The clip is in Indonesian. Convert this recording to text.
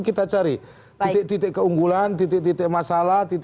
kita cari titik titik keunggulan titik titik masalah